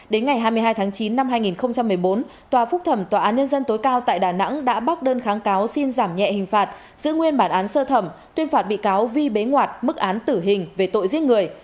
đến ngày hai mươi hai tháng chín năm hai nghìn một mươi bốn tòa phúc thẩm tòa án nhân dân tối cao tại đà nẵng đã bác đơn kháng cáo xin giảm nhẹ hình phạt giữ nguyên bản án sơ thẩm tuyên phạt bị cáo vi bế ngoạt mức án tử hình về tội giết người